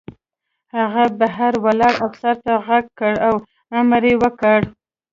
هغه بهر ولاړ افسر ته غږ کړ او امر یې وکړ